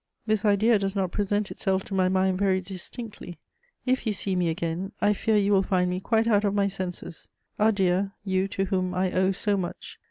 This idea does not present itself to my mind very distinctly. If you see me again, I fear you will find me quite out of my senses. Adieu, you to whom I owe so much!